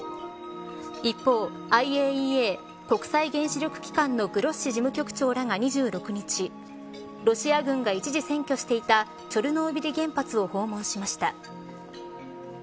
一方、ＩＡＥＡ国際原子力機関のグロッシ事務局長らが２６日ロシア軍が一時占拠していたチョルノービリ原発を訪問しました。